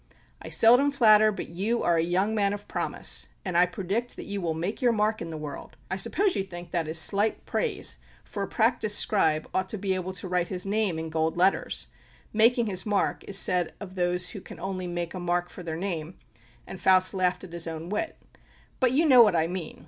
"I seldom flatter, but you are a young man of promise; and I predict that you will make your mark in the world! I suppose you think that is slight praise, for a practiced scribe ought to be able to write his name in gold letters, making his mark is said of those who can only make a mark for their name;" and Faust laughed at his own wit. "But you know what I mean.